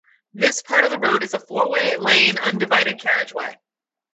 This part of the road is a four-lane undivided carriageway.